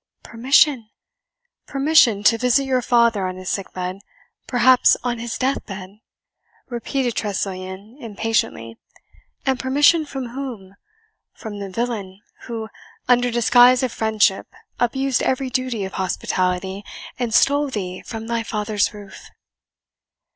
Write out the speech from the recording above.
"Permission! permission to visit your father on his sick bed, perhaps on his death bed!" repeated Tressilian, impatiently; "and permission from whom? From the villain, who, under disguise of friendship, abused every duty of hospitality, and stole thee from thy father's roof!"